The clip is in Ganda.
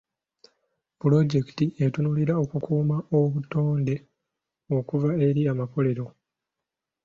Pulojekiti etunuulira okukuuma obutonde okuva eri amakolero.